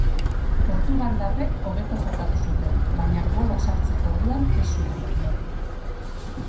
Portugaldarrek hobeto jokatu zuten, baina gola sartzeko orduan ez zuten asmatu.